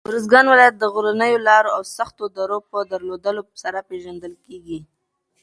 اروزګان ولایت د غرنیو لاره او سختو درو په درلودلو سره پېژندل کېږي.